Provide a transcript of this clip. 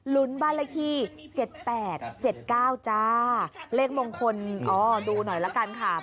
ลุ้นบ้านละที่เจ็ดแปดเจ็ดเก้าจ้าเลขมงคลอ๋อดูหน่อยละกันค่ะ